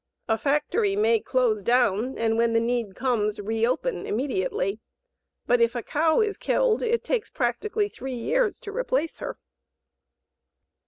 A factory may close down and when the need comes reopen immediately, but if a cow is killed it takes practically three years to replace her.